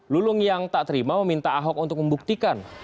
lulung yang tak terima meminta ahok untuk membuktikan